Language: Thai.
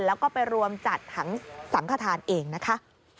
แล้วก็ไปรวมจัดถังสังขทานเองนะคะ